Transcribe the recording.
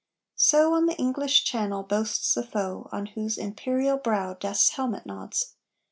So on the English Channel boasts the foe On whose imperial brow death's helmet nods.